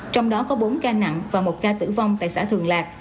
trong đó có bốn ca nặng và một ca tử vong tại xã thường lạc